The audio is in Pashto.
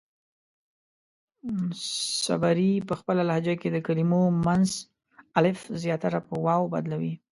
صبري پۀ خپله لهجه کې د کلمو منځ الف زياتره پۀ واو بدلوي.